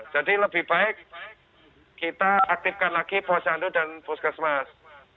jadi lebih baik kita aktifkan lagi posyandu dan poskesmas